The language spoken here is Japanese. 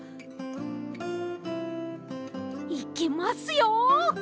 いきますよ！